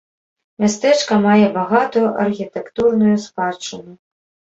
Мястэчка мае багатую архітэктурную спадчыну.